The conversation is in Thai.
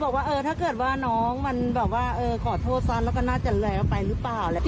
บอกว่าเออถ้าเกิดว่าน้องมันแบบว่าขอโทษซะแล้วก็น่าจะเลยออกไปหรือเปล่า